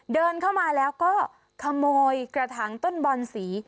เดินเข้ามาแล้วก็ขโมยกระถางต้นบอนสี